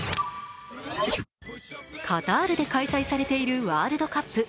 カタールで開催されているワールドカップ。